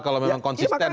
kalau memang konsisten